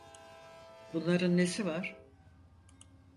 Bunların nesi var?